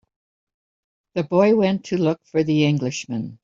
The boy went to look for the Englishman.